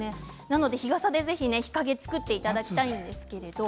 ぜひ日傘で日陰を作っていただきたいんですけれども